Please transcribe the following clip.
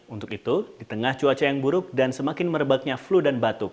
untuk itu di tengah cuaca yang buruk dan semakin merebaknya flu dan batuk